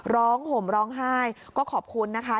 ห่มร้องไห้ก็ขอบคุณนะคะ